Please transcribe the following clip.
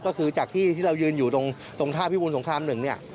ก็คือจากที่ที่เรายืนอยู่ตรงท่าพิบูรสงครามหนึ่งเนี่ย